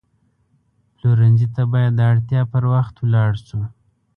پلورنځي ته باید د اړتیا پر وخت لاړ شو.